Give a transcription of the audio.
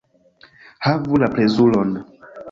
Havu la plezuron.